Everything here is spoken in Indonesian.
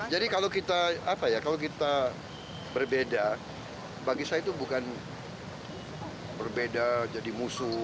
jadi kalau kita berbeda bagi saya itu bukan berbeda jadi musuh